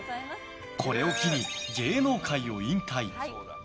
これを機に芸能界を引退。